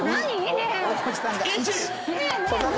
ねえ。